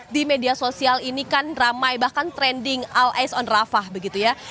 di media sosial ini kan ramai bahkan trending al ice on rafah begitu ya